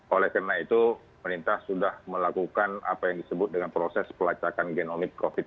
oleh karena itu perintah sudah melakukan apa yang disebut dengan proses pelacakan genomik covid sembilan belas